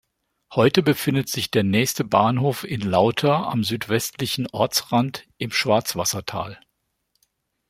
Heute befindet sich der nächste Bahnhof in Lauter am südwestlichen Ortsrand im Schwarzwassertal.